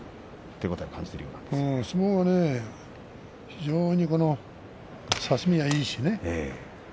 非常に差し身がいいしね。